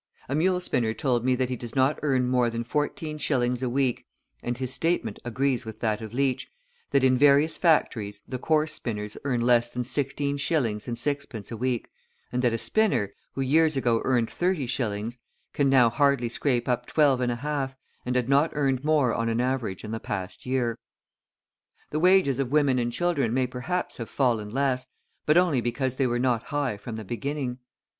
A mule spinner told me that he does not earn more than fourteen shillings a week, and his statement agrees with that of Leach, that in various factories the coarse spinners earn less than sixteen shillings and sixpence a week, and that a spinner, who years ago earned thirty shillings, can now hardly scrape up twelve and a half, and had not earned more on an average in the past year. The wages of women and children may perhaps have fallen less, but only because they were not high from the beginning.